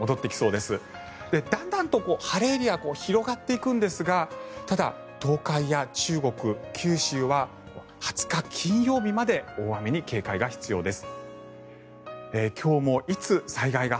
だんだんと晴れエリアは広がっていくんですがただ、東海や中国、九州は２０日、金曜日まで大雨に警戒が必要です。